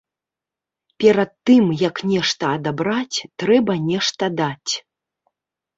Перад тым, як нешта адабраць, трэба нешта даць.